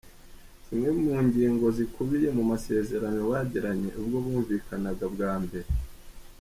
Zimwe mu ngingo zikubiye mu masezerano bagiranye ubwo bumvikanaga bwa mbere.